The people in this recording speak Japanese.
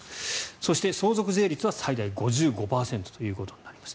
そして、相続税率は最大５５％ということになります。